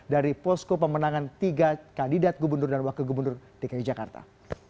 dari posko pemenangan tiga kandidat gubernur dan wakil gubernur dki jakarta